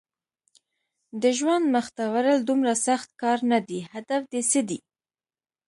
د ژوند مخته وړل دومره سخت کار نه دی، هدف دې څه دی؟